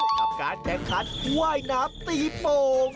กับการแข่งขันว่ายน้ำตีโป่ง